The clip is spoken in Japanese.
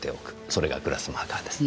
それがグラスマーカーです。